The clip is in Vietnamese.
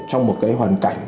trong một cái hoàn cảnh